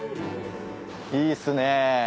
いいっすね。